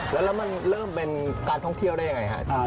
แล้วมันเริ่มเป็นการท่องเที่ยวได้ยังไงครับ